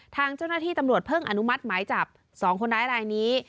ทางเจ้าหน้าที่ตำรวจเพิ่งอนุมัติหมายจับ๒คนร้ายรายนี้